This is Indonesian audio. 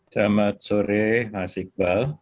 selamat sore mas iqbal